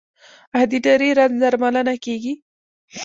آیا د نري رنځ درملنه کیږي؟